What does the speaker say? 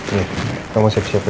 nih kamu mau siap siap ya